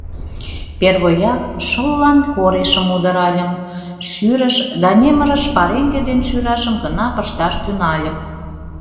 Первояк, шыллан корешым удыральым, шӱрыш да немырыш пареҥге ден шӱрашым гына пышташ тӱҥальым.